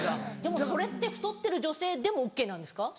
それって太ってる女性でもＯＫなんですか？